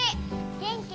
元気？